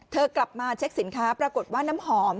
กลับมาเช็คสินค้าปรากฏว่าน้ำหอม